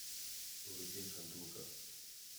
有一定程度的